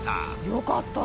よかった！